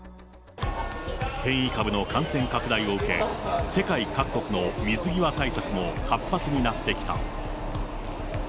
変異株の感染拡大を受け、世界各国の水際対策も活発になってきた。